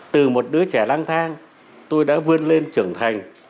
từ một đứa trẻ lang thang tôi đã vươn lên trưởng thành